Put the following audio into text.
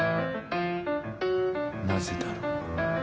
「なぜだろう」